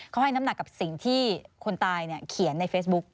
เขาให้น้ำหนักกับสิ่งที่คนตายเขียนในเฟซบุ๊ก